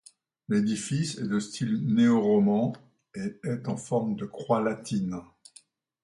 L'édifice est de style néoroman et est en forme de croix latine.